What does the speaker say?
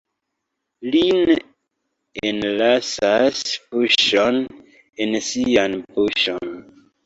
Li ne enlasas puŝon en sian buŝon.